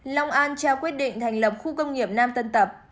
long an trao quyết định thành lập khu công nghiệp nam tân tập